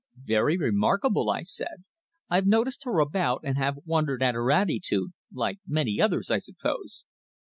"Very remarkable," I said. "I've noticed her about, and have wondered at her attitude like many others, I suppose."